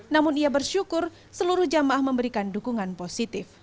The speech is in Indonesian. namun ia bersyukur seluruh jamaah memberikan dukungan positif